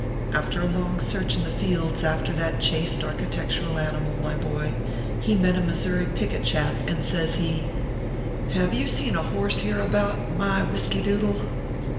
After a long search in the fields after that chaste architectural animal, my boy, he met a Missouri picket chap, and says he :" Hev .you seen a horse hereabout, my whisky doodle